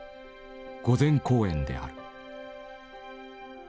「御前講演」である。